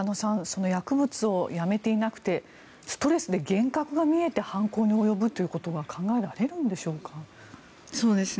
その薬物をやめていなくてストレスで幻覚が見えて犯行に及ぶということは考えられるんでしょうか？